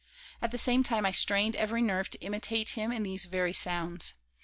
At the same time I strained every nerve to imitate him in these very sounds.